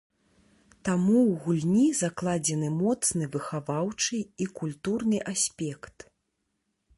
Таму ў гульні закладзены моцны выхаваўчы і культурны аспект.